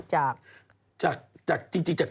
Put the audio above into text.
จากจริงจากตัวมันเนี่ยแหละ